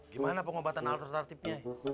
gimana pengobatan alternatifnya